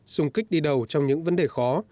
xung kích đi đầu trong những vấn đề khó